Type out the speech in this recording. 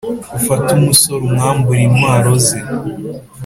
ufate umusore umwambure intwaro ze.